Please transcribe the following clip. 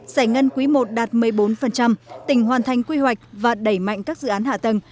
giải ngân quý i đạt một mươi bốn tỉnh hoàn thành quy hoạch và đẩy mạnh các dự án hạ tầng